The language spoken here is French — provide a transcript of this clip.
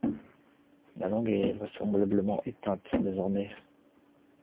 La langue est vraisemblablement éteinte désormais.